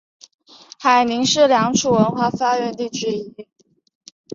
海宁是良渚文化发源地之一。